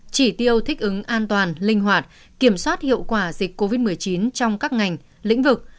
chỉ tiêu thích ứng an toàn linh hoạt kiểm soát hiệu quả dịch covid một mươi chín trong các ngành lĩnh vực